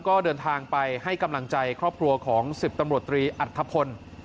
ก็เดินทางไปให้กำลังใจครอบครัวของ๑๐ตำรวจตรีอัธพล